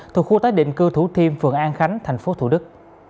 thuộc khu tái định cư thủ thiêm phường an khánh tp thủ đức